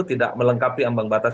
tidak melengkapi ambang batas